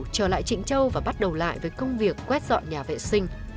trở lại trịnh châu và bắt đầu lại với công việc quét dọn nhà vệ sinh